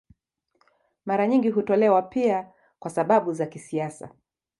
Mara nyingi hutolewa pia kwa sababu za kisiasa.